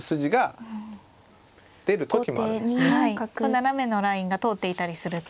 斜めのラインが通っていたりすると。